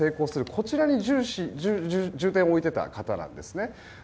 こちらに重点を置いていた方なんですね。